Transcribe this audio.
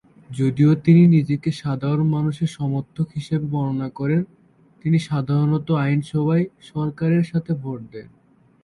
যদিও তিনি নিজেকে সাধারণ মানুষের সমর্থক হিসেবে বর্ণনা করেন, তিনি সাধারণত আইন সভায় সরকারের সাথে ভোট দেন।